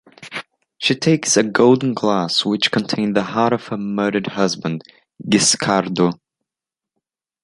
She takes a golden glass which contained the heart of her murdered husband, Guiscardo.